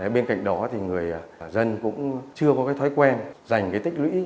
bên cạnh đó người dân cũng chưa có thói quen dành tích lũy